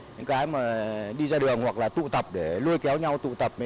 những cái mà đi ra đường hoặc là tụ tập để lôi kéo nhau tụ tập